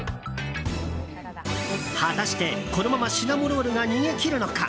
果たして、このままシナモロールが逃げ切るのか？